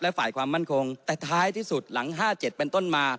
และฝ่ายความมั่นคงแต่ท้ายที่สุดหลัง๕๗เป็นต้นมา